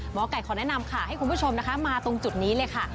หมอไก่ขอแนะนำค่ะให้คุณผู้ชมนะคะมาตรงจุดนี้เลยค่ะ